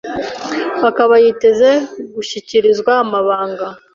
akaba yiteze gushikirizwa amabanga